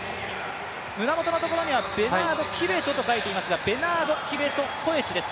胸元のところには、ベナード・キベトと書いていますが、ベナード・キベト・コエチです。